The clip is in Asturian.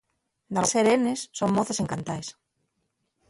Dalgunes serenes son moces encantaes.